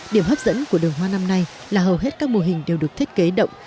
điểm hấp dẫn của đường hoa năm nay là hầu hết các mô hình đều được thiết kế động